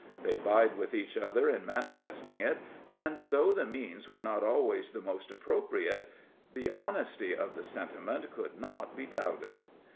They vied with each other in manifesting it, and though the means were not always the most appropriate, the honesty of the sentiment could not be doubted.